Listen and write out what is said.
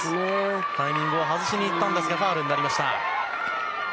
タイミング外しにいったんですがファウルになりました。